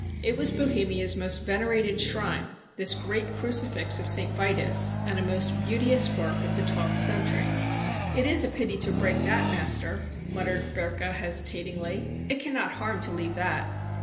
It was Bohemia's most venerated shrine, this great crucifix of St. Vitus, and a most beauteous work of the twelfth century. "It is pity to break that, master," muttered Berkha hesitatingly. "It cannot harm to leave that."